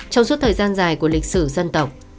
trong suốt thời gian dài của lịch sử dân tộc